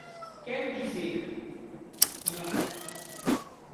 Quero dizer, não.